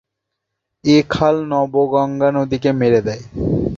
এই খাল নবগঙ্গা নদীকে মেরে দেয়।